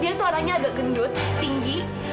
dia tuh arahnya agak gendut tinggi